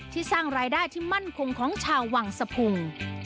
สร้างรายได้ที่มั่นคงของชาววังสะพุง